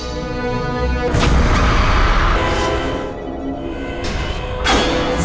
kali mana sih